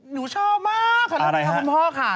หนูชอบมากค่ะท่านน้องมีค่ะคุณพ่อค่ะ